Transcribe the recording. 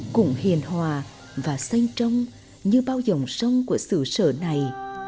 cũng hiền hòa và xanh trong như bao dòng sông của sử sở này